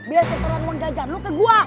biar setelan menggajar lu ke gua